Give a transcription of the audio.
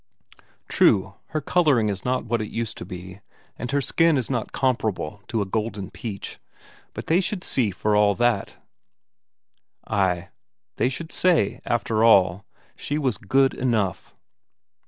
True, her colouring is not what it used to be, and her skin is not comparable to a golden peach but they should see for all that; ay, they should say, after all, she was good enough!